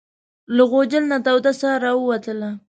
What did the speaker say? له غوجل نه توده ساه راووتله.